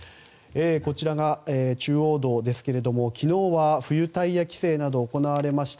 こちらが中央道ですけれども昨日は冬タイヤ規制など行われました。